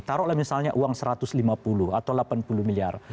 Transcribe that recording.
taruhlah misalnya uang satu ratus lima puluh atau delapan puluh miliar